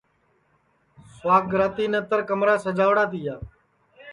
جِدا کہ سُواگراتی نتر کمرا سجاوڑا ریوتا ہے